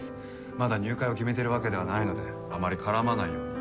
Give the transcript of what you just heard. まだ入会を決めているわけではないのであまり絡まないように。